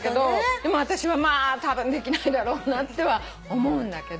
でも私はまあたぶんできないだろうなとは思うんだけど。